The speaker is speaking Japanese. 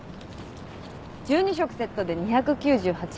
１２食セットで２９８円。